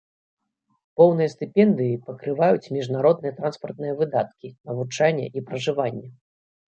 Поўныя стыпендыі пакрываюць міжнародныя транспартныя выдаткі, навучанне і пражыванне.